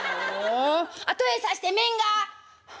「後へ指して雌が。